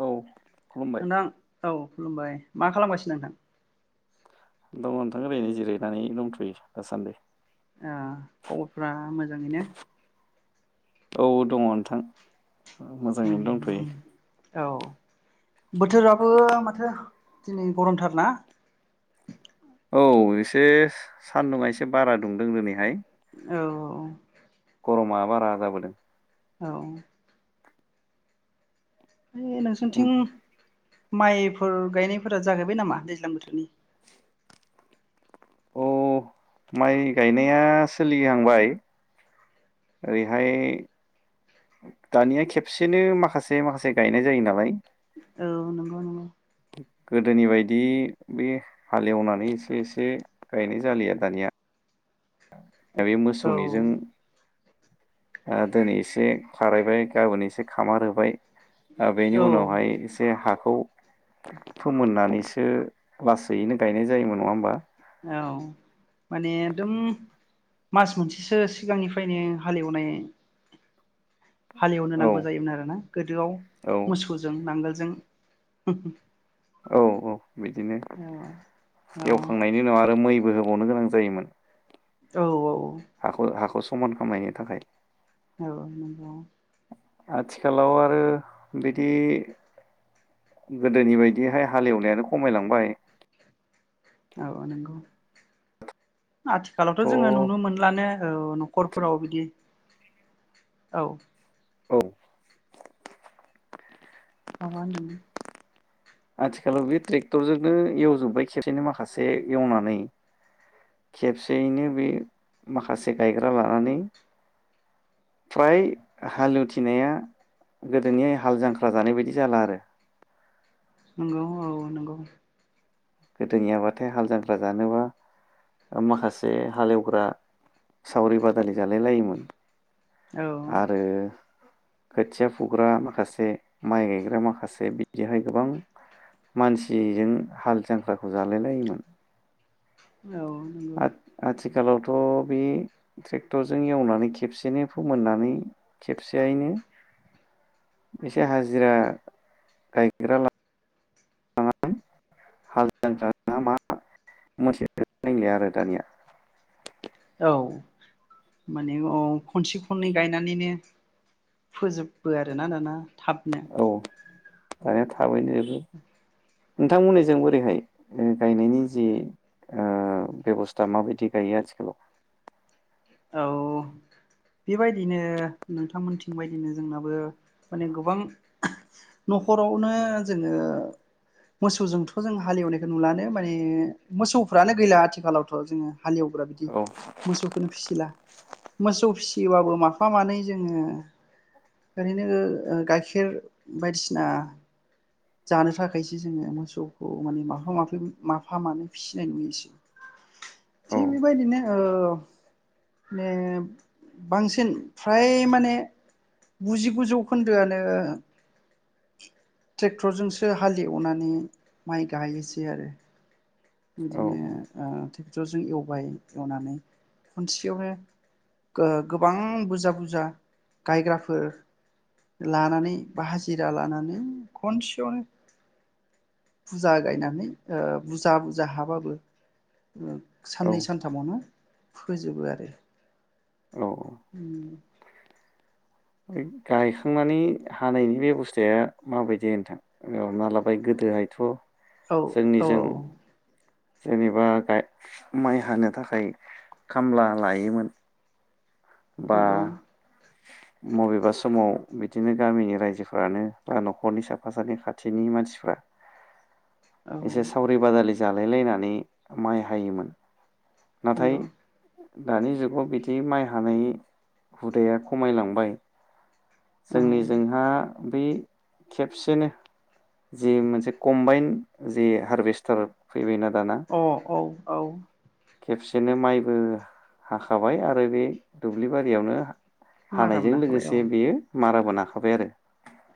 औ खुलुमबाय नोंथां औ खुलुमबाय मा खालामगासिनो नोंथां? दङ नोंथां ओरैनो जिरायनानै दंथ'यो दासान्दै। आ खबरफ्रा मोजाङैने? औ दङ नोंथां मोजाङैनो दंथ'यो औ। बोथोराबो माथो दिनै गरमथारना? औ एसे सान्दुंङा एसे बारा दुंदों दिनैहाय। औ औ। गरमा बारा जाबोदों। औ। है नोंसोनिथिं माइफोर गायनायफोरा जाहैबाय नामा दैज्लां बोथोरनि? अ माइ गायनाया सोलिहांबाय। ओरैहाय दानिया खेबसेनो माखासे माखासे गायनाय जायो नालाय औ नंगौ नंगौ। गोदोनि बायदि बे हालेवनानै एसे एसे गायनाय जालिया दानिया। दा बे मोसौनिजों। औ आ दिनै एसे खारायबाय गाबोन एसे खामार होबाय आ बेनि औ उनावहाय एसे हाख खौ फोमोननानैसो लासैनो गायनाय जायोमोन नङा होमबा? औ माने एकदम मास मोनसेसो सिगांनिफ्रायनो हालेवनाय हालेवनो औ नांगौ जायोमोन आरो ना गोदोआव औ मोसौजों नांगोल जों औ औ। बिदिनो औ एवखांनायनि उनाव आरो मै बोहोबावनो गोनां जायोमोन। औ औ। हाख हाख सु समान खामायनो थाखाय औ नंगौ। आथिखालाव आरो बिदि गोदोनि बायदिहाय हालेवनायानो खमायलांबाय औ नंगौ। आथिखालावथ' थ' जोङो नुनो मोनलानो औ नखरफोराव बिदि औ। औ। माबा होनदोंना? आथिखालाव बे ट्रेक्टरजोंनो एवजोब्बाय खेबसेनो माखासे एवनानै खेबसेयैनो बे माखासे गायग्रा लानानै फ्राय हालुथिनाया गोदोनि हाल जांख्रा जानाय बायदि जाला आरो नंगौ औ नंगौ। गोदोनियाबाथाय हाल जांख्रा जानोबा माखासे हालेवग्रा सावरि बादालि जालाय लायोमोन। औ आरो खोथिया फुग्रा माखासे माइ गायग्रा माखासे बिदिहाय गोबां मानसिजों हाल जांख्राखौ जालाय लायोमोन। औ नंगौ। आथिखालावथ' बे ट्रेक्टरजों एवनानै खेबसेनो फोमोननानै खेबसेयैनो एसे हाजिरा गायग्रा ला [unintelligible] आरो दानिया औ माने औ खनसे खननै गायनानैनो फोजोबो आरोना दाना। थाबनो औ दानिया थाबैनो जोबो नोंथांमोननिजों बोरैहाय ओ गायनायनि जि ओ बेबस्था माबायदि गायो आथिखालाव? औ बेबायदिनो नोंथांमोनथिं बायदिनो जोंनाबो माने गोबां न'खरावनो जोङो मोसौजोंथ' जों हाल एवनायखो नुलानो माने मोसौफ्रानो गैला आथिखालावथ' जोङो हाल एवग्रा बिदि औ मोसौखोनो फिसि मोसौ फिसियोबाबो माफा मानै जोङो ओरैनो गाइखेर बायदिसिना जानो थाखायसो जोङो मोसौखौ माने माफा माफि माफा मानै फिसिनाय नुयोसै। औ थिक बेबायदि नो ओ मे बांसिन फ्राय माने गुजिगु जौ खोन्दोआनो ट्रेक्टरजोंसो हाल एवनानै माइ गायोसै आरो। औ बिदिनो ओ टरजों एवबाय एवनानै खनसेयावनो ओ गोबां बुजा बुरजा गायग्राफोर लानानै बा हाजिरा लानानै खनसेयावनो बुजा गायनानै ओ बुजा जाहाबाबो ओ औ साननै सानथामावनो फोजोबो आरो। औ उम गायखांनानै हानायनि बेब'स्थाया माबायदि नोंथां हमना लाबाय गोदोहायथ' औ औ जोंनिजों औ जेनेबा गाइ माइ हानो थाखाय खामला लायोमोन नोंगौ बबेबा समाव बिदिनो गामिनि रायजोफ्रानो बा न'खरनि साफा सानै खाथिनि मानसिफ्रा औ एसे सावरि बादालि जालाय लायनानै माइ हायोमोन नाथाय नंगौ दानि जुगाव बिदि माइ हानाय हुदाया खमायलांबाय जोंनि जोंहा बै खेबसेनो जि मोनसे कम्बाइन जि हारभेस्टार फैबाय ना अ औ खेबसेनो माइबो हाखाबाय आरो बे दुब्लि बारियावनो मारा हानायजों मोनाखाबाय औ लोगोसे बेयो माराबो नाखाबाय आरो।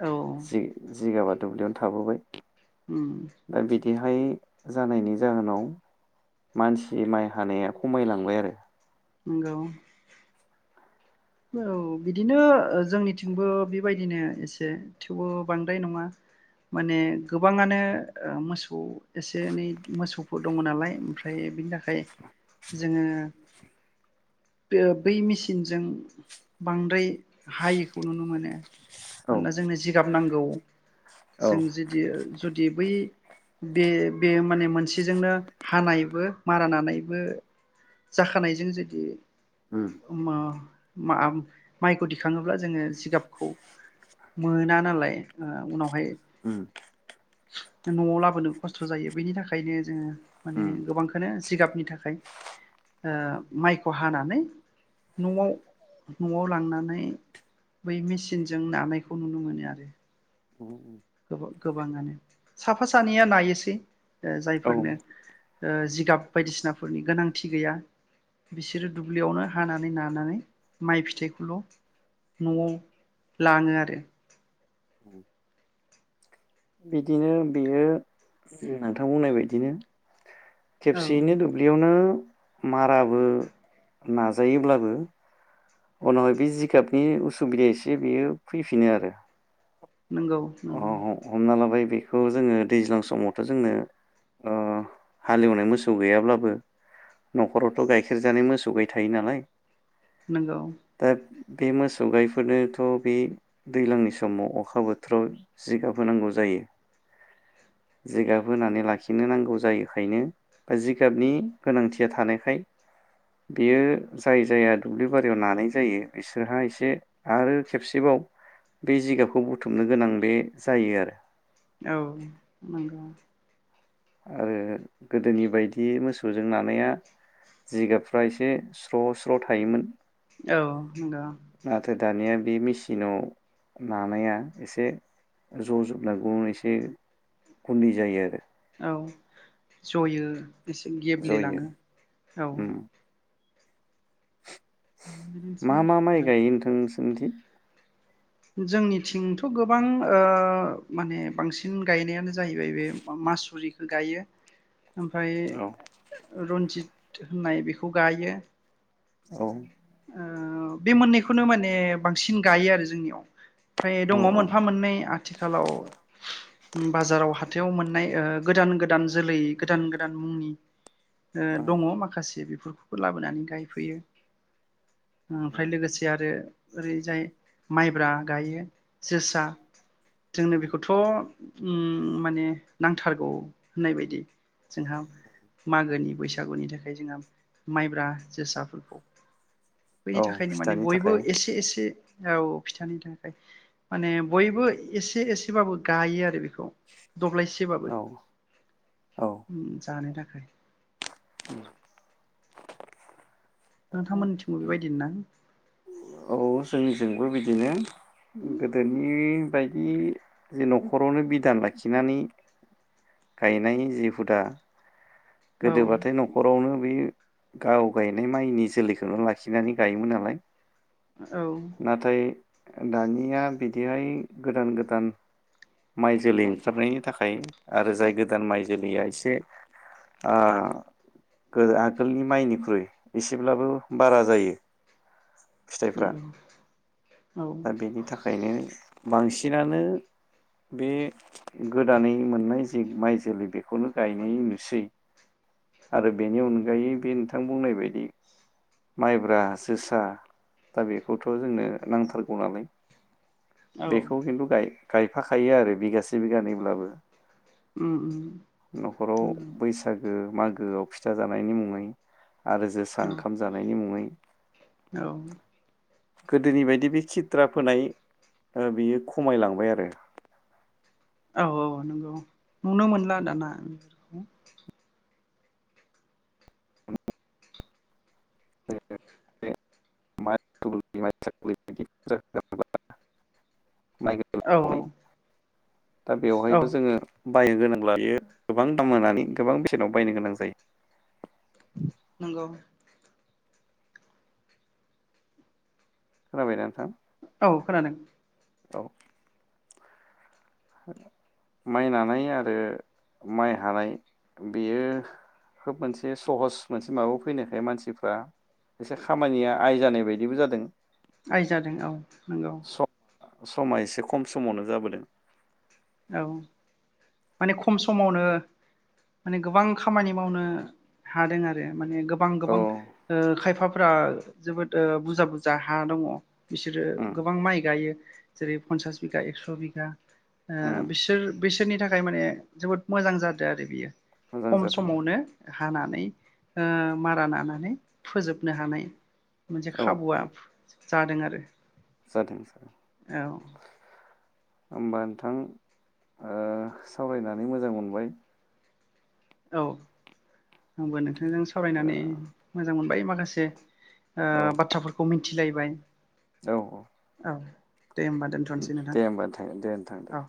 औ जिगाबा दुब्लियावनो थाबोबाय उम दिहाय जानायनि जाहोनाव मानसि माइ हानाया खमायलांबाय आरो। नंगौ। औ बिदिनो जोंनिथिंबो बेबायदिनो एसे थेवबो बांद्राय नङा माने गोबाङानो मोसौ एसे एनै मोसौफोर दङ नालाय ओमफ्राय बेनि था खाय जोङो बो बै मेचिनजों बांद्राय हायिखौ नुनो मोनो। औ मानोना जोंनो जिगाब नांगौ। औ जों जुदि ओ जुदि बै बे बे माने मोनसेजोंनो हानायबो मारा नानायबो जाखानायजों जुदि उम [unintelligible] मा माइखौ दिखाङोब्ला जोङो जिगाबखौ मोना नालाय उनावहाय उम ओ न'आव लाबोनो खस्थ' जायो बेनि थाखायनो जोङो माने गोबांखौनो जिगाबनि थाखाय ओ माइखौ हानानै न'आव न'आव लांनानै बै मेसिनजों नानायखौ नुनो मोनो आरो। उम गोबा गोबाङानो साफा सानैया नायोसै ओ औ जायफोरनो ओ जिगाब बायदिसिनाफोरनि गोनांथि गैया बिसोरो दुब्लिआवनो हानानै नानानै माइ फिथाइखौल' न'आव लाङो आरो। बिदिनो बेयो नोंथां बुंनाय बायदिनो औ खेबसेयैनो दुब्लियावनो माराबो नाजायोब्लाबो उनावहाय बे जिगाबनि उसुबिदाया एसे बियो फैफिनो आरो। नंगौ नंगौ। खौ जोङो दैज्लां समावथ' जोंनो अ हालेवनाय मोसौ गैयाब्लाबो नखरावथ' गाइखेर जानाय मोसौ गाय थायो नालाय। नोंगौ। दा बे मोसौ गायफोरनोथ' बे दैलांनि समाव अखाबो थोराव जिगाब होनांगौ जायो जिगाब होनानै लाखिनो नांगौ जायोखायनो बा जिगाबनि गोनांथिया थानायखाय बेयो जायो जाया दुब्लिबारियाव नानाय जायो इसोरहा इसे आरो खेबसेबाव बै जिगाबखौ बु थुमनो गोनां बे जायो आरो। औ नंगौ। आरो गोदोनि बायदि मोसौजों नानाया जिगाबफ्रा एसे स्र' स्र' थायोमोन। औ नंगौ। नाथाय दानिया बे मेसिनाव नानाया एसे [unintelligible] एसे गुन्दै जायो आरो। औ जयो। एसे जयो गेब्लेलाङो औ। उम मा मा बिदिनोसै माइ गायो नोंथां [unintelligible] जोंनिथिंथ' गोबां ओ माने बांसिन गायनायानो जाहैबाय बे मासुरिखौ गायो। ओमफ्राय औ रन [unintelligible] होननाय बेखौ गायो। औ ओ बे मोननैखौनो माने बांसिन गायो आरो जोंनियाव। फ्राय दङ मोनफा मोननै आथिखालाव। बाजाराव हाथाइयाव मोननाय ओ गोदान गोदान जोलै गोदान गोदान मुंनि ओ औ दङ माखासे बे फोर खौबो लाबोनानै गायफैयो। ओमफ्राय औ लोगोसे आरो ओरैजाय माइब्रा गायो जोसा जोंनो बेखौथ' ओम माने नांथारगौ होननाय बायदि जोंहा मागोनि बैसागुनि थाखाय जोंहा माइब्रा जोसाफोरखौ। बेनि औ थाखायनो माने फिथानि बयबो थाखाय एसे एसे। औ फिथानि थाखाय माने बयबो एसे एसेबाबो गायो आरो बेखौ। दब्लायसेबाबो औ औ ओम जानो थाख [inaudible] [inaudible] नोंथांमोननिथिंबो बेबायदिनो ना? औ जोंनिथिंबो बिदिनो गोदोनि बायदि जे न'खरावनो बिधान लाखिनानै गायनाय जि हुदा। औ गोदोबाथाय न'खरावनो बे गाव गायनाय माइनि जोलैखौनो लाखिनानै गायोमोन नालाय। औ नाथाय। दानिया बिदिहाय गोदान गोदान माइ जोलै ओंखार नायनि थाखाय आरो जाय गोदान माइ जोलैया एसे। ओ गोदो आगोलनि माइनिख्रुइ एसेब्लाबो बारा जायो। फिथाइफ्रा नंगौ औ दा बेनि थाखायनो। बांसिनानो बे गोदानै मोननाय जे माइ जोलै बेखौनो गायनाय नुसै। आरो बेनि अनगायै बे नोंथां बुंनाय बायदि। माइब्रा जोसा दा बेखौथ' जोंनो नांथारगौ नालाय। बेखौ खिन्थु गाय गायफाखायो आरो बिगास बिगानैब्लाबो उम न'खराव नंगौ बैसा गो मागोआव फिथा जानायनि मुङै। आरो जोसा औ ओंख नायनि मुङै। औ। गोदोनि बायदि बे खिथ्रा फोनाय ओ बियो खमायलांबाय आरो। औ औ नंगौ। नुनो मोनला दाना। [inaudible] [unintelligible] माइ औ [unintelligible] दा औ बेवहायथ' जोङो। बायनो गोनांब्ला बियो गोबां दाम होनानै गोबां बेसेनाव बायनो गोनां जायो। नोंगौ खोनाबायदा नोंथां? औ खोनादों। औ माइ नानाय आरो माइ हानाय बेयो खोब मोनसे सहस मोनसे माबायाव फैनायखाय मानसिफ्रा एसे खामानिया आइ जानाय बायदिबो जादों। आइ जादों औ नंगौ। समा एसे खम समावनो जाबोदों। औ माने खम समावनो माने गोबां खामानि मावनो हादों आरो। माने गोबां औ गोबां ओ खायफाफोरा जोबोद ओ बुरजा बुरजा हा दङ। बिसोरो उम गोबां माइ गायो। जेरै फन्सास बिगा एक्स बिगा ओ उम बिसोर बैसोरनि थाखाय खाय माने जोबोद मोजां जादों आरो बियो मोजां खम जादों समावनो हानानै ओ मारा नानानै फोजोबनो हानाय मोनसे औ खाबुआ औ जादों आरो। जादों सार। औ ओमबा नोंथां ओ सावरायनानै मोजां मोनबाय। औ आंबा नोथ जों ओ सावरायनानै मोजां मोनबाय माखासे ओ बाथ्राफोरखौ मिथ थिलायबाय। औ औ ओ दे होमबा थां दो थां दे। औ